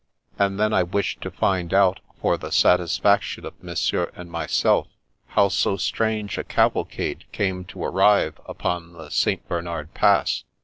And then I wished to find out, for the satisfaction of Monsieur and myself, how so strange a cavalcade came to arrive upon the St Bernard Pass.